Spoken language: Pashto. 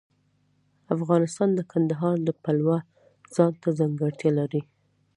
افغانستان د کندهار د پلوه ځانته ځانګړتیا لري.